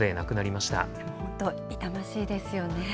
本当、痛ましいですよね。